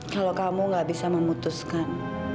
kalau kamu gak bisa memutuskan